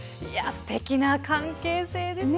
すてきな関係性ですね。